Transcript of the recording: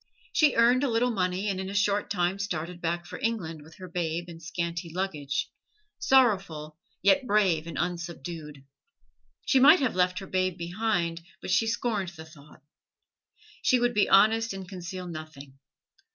She earned a little money and in a short time started back for England with her babe and scanty luggage sorrowful, yet brave and unsubdued. She might have left her babe behind, but she scorned the thought. She would be honest and conceal nothing.